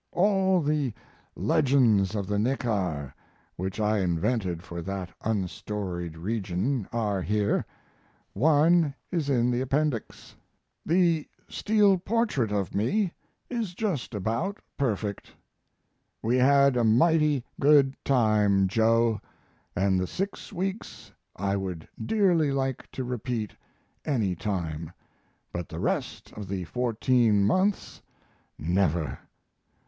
All the "legends of the Neckar," which I invented for that unstoried region, are here; one is in the Appendix. The steel portrait of me is just about perfect. We had a mighty good time, Joe, and the six weeks I would dearly like to repeat any time; but the rest of the fourteen months never.